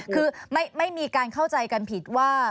คือไม่มีการเข้าใจกันผิดว่า